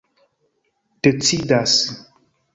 decidas